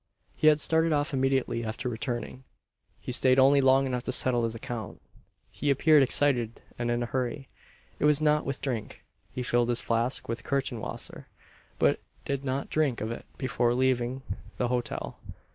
He had started off immediately after returning. He stayed only long enough to settle his account. He appeared excited, and in a hurry. It was not with drink. He filled his flask with Kirschenwasser; but did not drink of it before leaving the hotel.